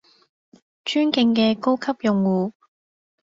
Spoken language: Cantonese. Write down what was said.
尊敬嘅高級用戶